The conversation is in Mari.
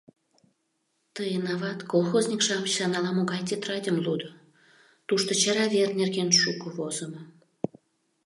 Тыйын ават колхозник-шамычлан ала-могай тетрадьым лудо — тушто Чара вер нерген шуко возымо.